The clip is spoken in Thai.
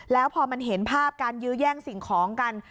แล้วพอมันเห็นภาพการยื้อแย่งสิ่งของกัน